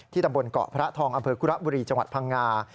ตำบลเกาะพระทองอำเภอคุระบุรีจังหวัดพังงา